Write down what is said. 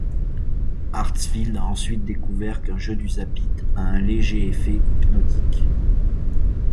Hartsfield a ensuite découvert qu'un jeu du Zappit a un léger effet hypnotique.